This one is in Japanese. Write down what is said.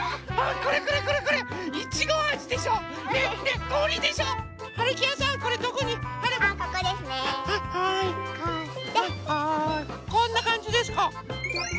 こんなかんじですか？